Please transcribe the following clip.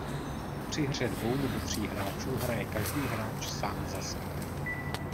Při hře dvou nebo tří hráčů hraje každý hráč sám za sebe.